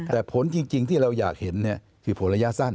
แต่ผลจริงที่เราอยากเห็นคือผลระยะสั้น